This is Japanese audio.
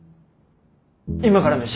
今から飯？